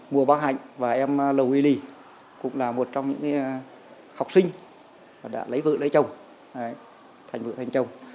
mùa bá hạnh và em lầu huy lì cũng là một trong những học sinh đã lấy vợ lấy chồng thành vợ thành chồng